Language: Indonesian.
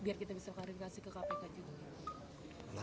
biar kita bisa mengarifikasi ke kpk juga ya